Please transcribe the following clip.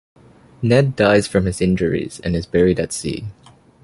Ned dies from his injuries and is buried at sea.